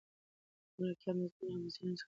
د ملکیار مضمون له حماسي رنګ څخه خالي و.